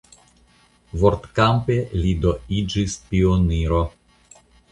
Vortkampe li do iĝis pioniro.